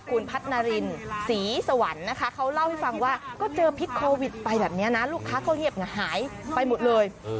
คุณพัฒนารินศรีสวรรค์นะคะเขาเล่าให้ฟังว่าก็เจอพิษโควิดไปแบบนี้นะลูกค้าก็เงียบหายไปหมดเลย